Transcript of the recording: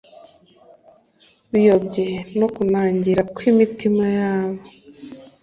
biyobye no kunangirwa kw'imitima yabo.